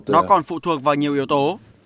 nó còn phụ thuộc vào nhiều yếu tố